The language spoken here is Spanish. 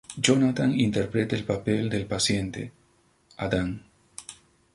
Jonathan interpreta el papel del paciente "Adam".